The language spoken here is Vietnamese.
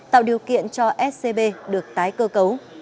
tạo điều kiện cho scb được tái cơ cấu